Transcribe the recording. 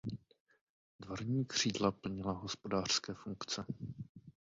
Dvorní křídla plnila hospodářské funkce.